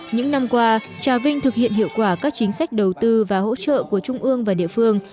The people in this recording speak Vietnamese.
những năm qua trà vinh thực hiện hiệu quả các chính sách đầu tư và hỗ trợ của trung ương và địa phương